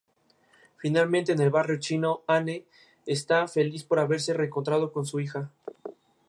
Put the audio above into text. Finalmente en el barrio chino, Anne está feliz por haberse reencontrado con su hija.